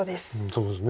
そうですね。